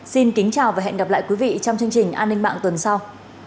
xin kính chào và hẹn gặp lại quý vị trong chương trình an ninh mạng tuần sau